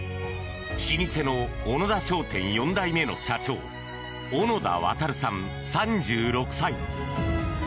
老舗の小野田商店４代目の社長小野田渉さん、３６歳。